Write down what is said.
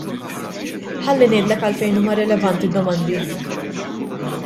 Ħalli ngħidlek għalfejn huma rilevanti d-domandi.